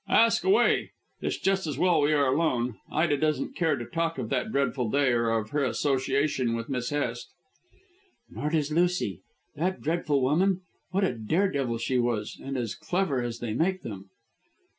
"Ask away. It's just as well we are alone. Ida doesn't care to talk of that dreadful day or of her association with Miss Hest." "Nor does Lucy. That dreadful woman! What a dare devil she was, and as clever as they make them."